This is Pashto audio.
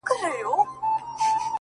د ورورولۍ په معنا;